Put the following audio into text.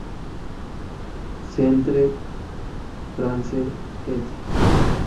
Centre France, ed.